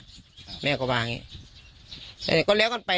ก็ก็ไปส่งกันไป